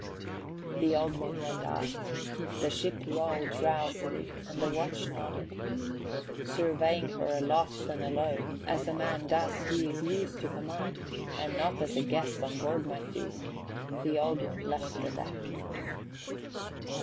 The Old One went aft. The ship rolled drowsily and the watch nodded. Surveying her aloft and alow, as a man does who is used to command, and not as a guest on board might do, the Old One left the deck.